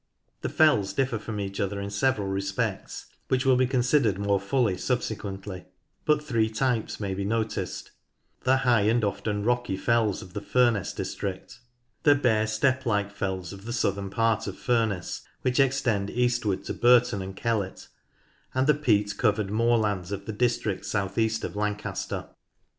The fells differ from each other in several respects, which will be considered more fully subsequently, but three types may be noticed ; the high and often rocky fells of the Furness district, the bare step like fells of the southern part of Furness which extend eastward to Burton and Kellet, and the peat covered moorlands of the district south east of Lancaster.